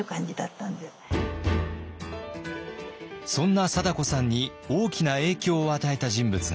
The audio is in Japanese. そんな貞子さんに大きな影響を与えた人物がいます。